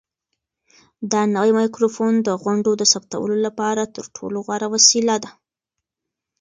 دا نوی مایکروفون د غونډو د ثبتولو لپاره تر ټولو غوره وسیله ده.